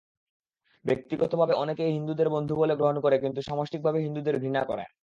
ব্যক্তিগতভাবে অনেকেই হিন্দুদের বন্ধু বলে গ্রহণ করে কিন্তু সামষ্টিকভাবে হিন্দুদের ঘৃণা করে।